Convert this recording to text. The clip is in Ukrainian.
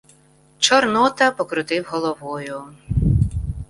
Чорнота покрутив головою: